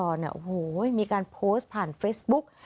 โอ้โหมีการโพสต์ผ่านเฟซบุ๊ก